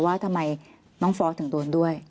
ว่าทำไมน้องฟอสถึงโดนด้วย